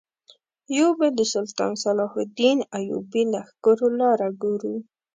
یو به د سلطان صلاح الدین ایوبي لښکرو لاره ګورو.